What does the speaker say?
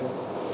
để tìm kiếm